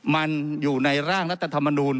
มันอยู่ในร่างรัฐธรรมนูล